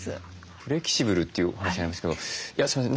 フレキシブルというお話ありましたけどすいません